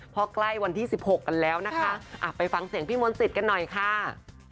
เพราะใกล้วันที่๑๖กันแล้วนะคะไปฟังเสียงพี่มนต์สิทธิ์กันหน่อยค่ะ